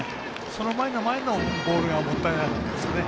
その前の前のボールがもったいなかったですけどね。